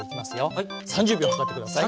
３０秒計って下さい。